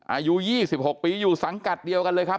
อายุยี่สิบหกปีอยู่สังกัดเดียวกันเลยครับ